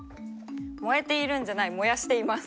「もえているんじゃないもやしています」。